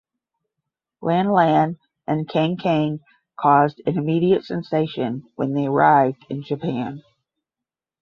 Lan Lan and Kang Kang caused an immediate sensation when they arrived in Japan.